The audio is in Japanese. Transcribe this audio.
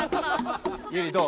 ユウリどう？